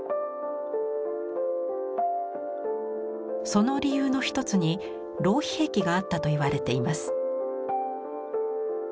その理由の一つに浪費癖があったといわれています。